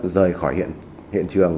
rời khỏi hiện trường